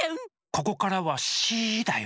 ここからはシーだよ。